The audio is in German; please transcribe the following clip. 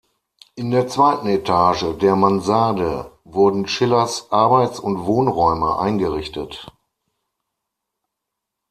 In der zweiten Etage, der Mansarde, wurden Schillers Arbeits- und Wohnräume eingerichtet.